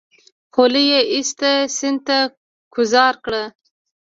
خولۍ يې ايسته سيند ته گوزار کړه.